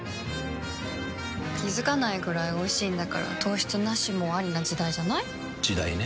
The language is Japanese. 気付かないくらいおいしいんだから糖質ナシもアリな時代じゃない？時代ね。